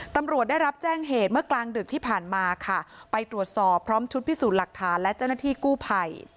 ตำรวจได้รับแจ้งเหตุเมื่อกลางดึกที่ผ่านมาค่ะไปตรวจสอบพร้อมชุดพิสูจน์หลักฐานและเจ้าหน้าที่กู้ภัย